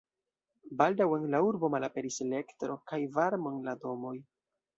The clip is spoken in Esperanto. Baldaŭ en la urbo malaperis elektro kaj varmo en la domoj.